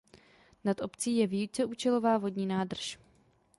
Nad obcí je víceúčelová vodní nádrž.